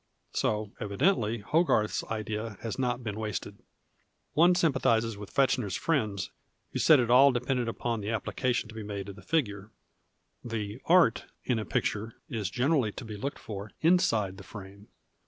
So, evidently, Hogarth's idea has not been wasted. One sympathizes with Fechner's fri« luls who said MM PASTICHE AND PREJUDICE it all depended upon the application to he made of the figure. The " art " in a picture is generally to be looked for inside the frame.